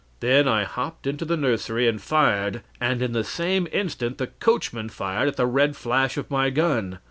Then I hopped into the nursery and fired, and in the same instant the coachman fired at the red flash of my gun.